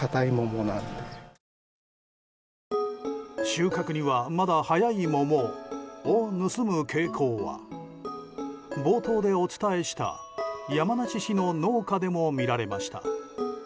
収穫にはまだ早い桃を盗む傾向は冒頭でお伝えした山梨市の農家でも見られました。